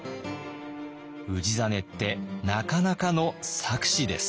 氏真ってなかなかの策士です。